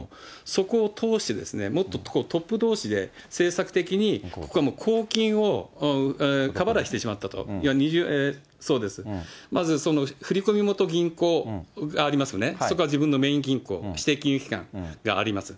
そこを通して、もっとトップどうしで、政策的に公金を過払いしてしまったと、振り込み元銀行ありますよね、そこは自分のメイン銀行、指定金融機関があります。